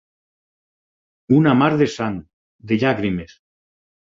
Una mar de sang, de llàgrimes.